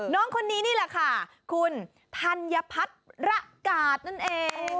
น้องคนนี้นี่แหละค่ะคุณธัญพัฒน์ระกาศนั่นเอง